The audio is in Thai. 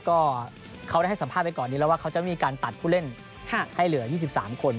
ก็เขาได้ให้สัมภาษณ์ไปก่อนนี้แล้วว่าเขาจะมีการตัดผู้เล่นให้เหลือ๒๓คน